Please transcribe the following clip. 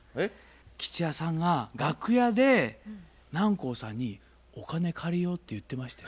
吉弥さんが楽屋で「南光さんにお金借りよう」って言ってましたよ。